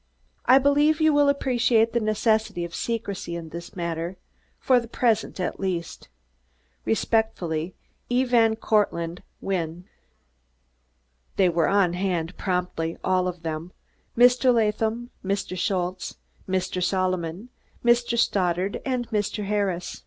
I believe you will appreciate the necessity of secrecy in this matter, for the present at least. Respectfully, E. VAN CORTLANDT WYNNE They were on hand promptly, all of them Mr. Latham, Mr. Schultze, Mr. Solomon, Mr. Stoddard and Mr. Harris.